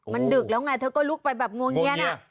มันดึกแล้วไงเธอก็ลุกไปแบบงวงเงียน